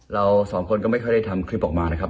เราสองคนก็ไม่ค่อยได้ทำคลิปออกมานะครับ